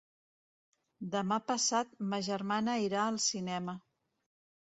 Demà passat ma germana irà al cinema.